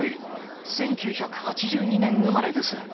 １９８２年生まれです。